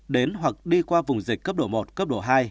đến hoặc đi qua vùng dịch cấp độ một cấp độ hai